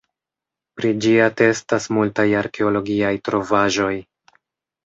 Pri ĝi atestas multaj arkeologiaj trovaĵoj.